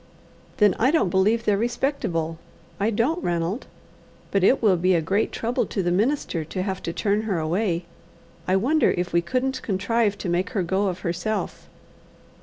"Then I don't believe they're respectable. I don't, Ranald. But it will be a great trouble to the minister to have to turn her away. I wonder if we couldn't contrive to make her go of herself.